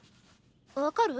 分かる？